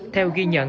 theo ghi nhận